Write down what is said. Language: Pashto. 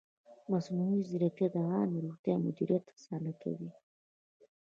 مصنوعي ځیرکتیا د عامې روغتیا مدیریت اسانه کوي.